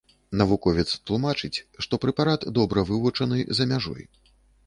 Навуковец тлумачыць, што прэпарат добра вывучаны за мяжой.